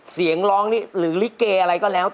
เสียงร้องนี่หรือลิเกอะไรก็แล้ว